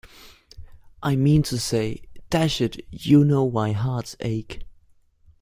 I mean to say — dash it, you know why hearts ache!